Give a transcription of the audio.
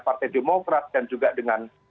partai demokrat dan juga dengan